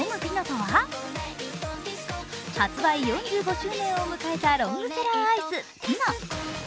発売４５周年を迎えたロングセラーアイス、ピノ。